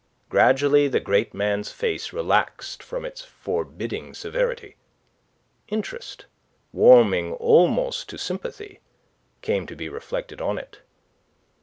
Gradually the great man's face relaxed from its forbidding severity. Interest, warming almost to sympathy, came to be reflected on it.